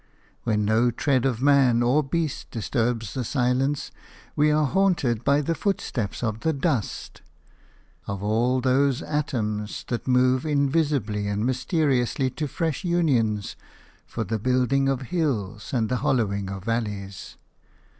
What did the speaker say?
When no tread of man or beast disturbs the silence, we are haunted by the footsteps of the dust – of all those atoms that move invisibly and mysteriously to fresh unions for the building of hills and the hollowing of valleys.